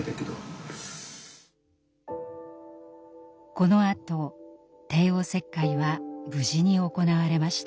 このあと帝王切開は無事に行われました。